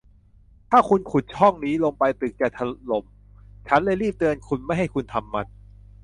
ถ้าคุณขุดช่องนี้ลงไปตึกจะถล่ม ฉันเลยรีบเตือนไม่ให้คุณทำมัน